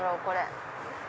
これ。